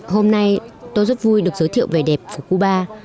hôm nay tôi rất vui được giới thiệu về đẹp của cuba